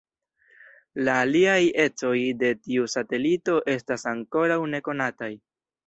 La aliaj ecoj de tiu satelito estas ankoraŭ nekonataj.